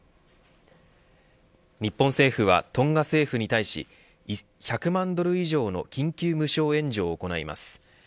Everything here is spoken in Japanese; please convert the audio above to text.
日本政府はトンガ政府に対し１００万ドル以上の緊急無償援助を行います。